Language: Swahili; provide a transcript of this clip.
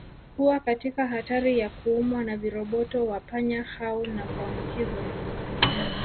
Huwa katika hatari ya kuumwa na viroboto wa panya hao na kuambukizwa